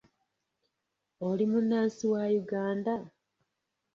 Oli munnansi wa Uganda?